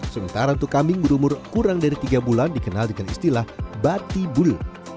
sementara untuk kambing berumur kurang dari tiga bulan dikenal dengan istilah batibulu